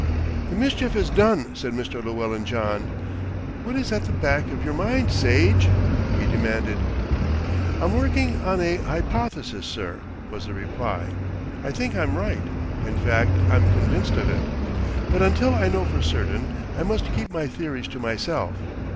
"The mischief is done," said Mr. Llewellyn John. "What is at the back of your mind, Sage?" he demanded. "I'm working on a hypothesis, sir," was the reply. "I think I'm right, in fact I'm convinced of it; but until I know for certain, I must keep my theories to myself.